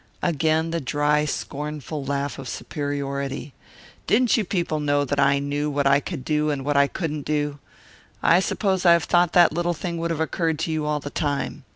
Again the dry, scornful laugh of superiority. "Didn't you people know that I knew what I could do and what I couldn't do? I should have thought that little thing would of occurred to you all the time.